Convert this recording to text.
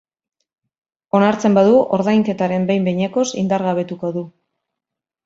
Onartzen badu, ordainketaren behin-behinekoz indargabetuko du.